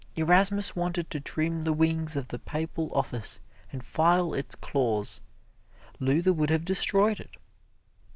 Erasmus wanted to trim the wings of the papal office and file its claws Luther would have destroyed it.